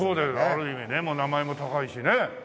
ある意味ね名前も高いしね。